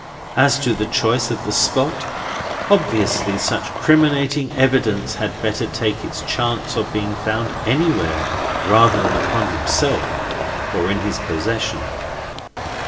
As to the choice of the spot, obviously such criminating evidence had better take its chance of being found anywhere, rather than upon himself, or in his possession.